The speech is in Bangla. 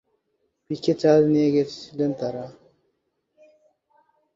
পিকে চার্জ নিয়ে গিয়েছিলেন তারা।